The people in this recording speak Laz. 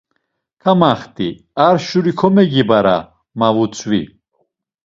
Kamaxt̆i ar şuri komegibara, ma vutzvi.